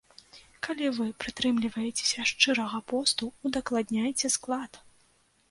Калі вы прытрымліваецеся шчырага посту, удакладняйце склад!